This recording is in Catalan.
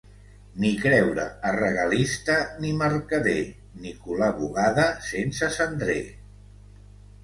Ni creure a regalista ni mercader, ni colar bugada sense cendrer.